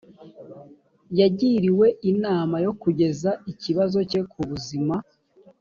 yagiriwe inama yo kugeza ikibazo cye ku buzima